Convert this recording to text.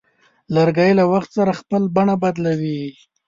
لرګی له وخت سره خپل بڼه بدلوي.